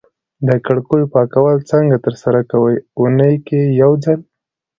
د کړکیو پاکول څنګه ترسره کوی؟ اونۍ کی یوځل